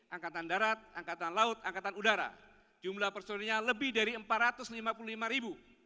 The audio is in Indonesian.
angkatan darat angkatan laut angkatan udara jumlah personilnya lebih dari empat ratus lima puluh lima ribu